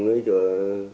nói chung là